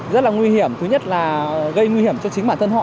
rất là nguy hiểm thứ nhất là gây nguy hiểm cho chính bản thân họ